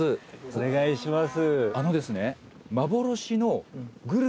お願いします。